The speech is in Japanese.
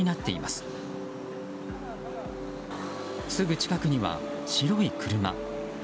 すぐ近くには白い車。